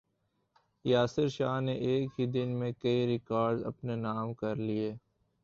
یاسر شاہ نے ایک ہی دن میں کئی ریکارڈز اپنے نام کر لیے